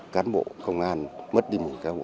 cán bộ công an mất đi một cán bộ